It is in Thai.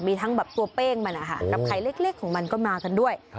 มีทั้งแบบตัวเป้งมันนะคะกับไข่เล็กของมันก็มากันด้วย